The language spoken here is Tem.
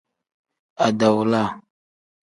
Adawula.